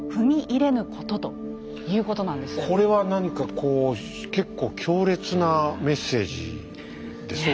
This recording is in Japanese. これは何かこう結構強烈なメッセージですね。